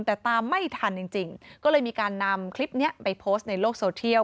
แต่ตามไม่ทันจริงก็เลยมีการนำคลิปนี้ไปโพสต์ในโลกโซเทียล